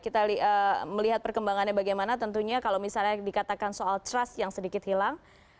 kita melihat perkembangannya bagaimana tentunya kalau misalnya dikatakan soal trust yang sedikit hilang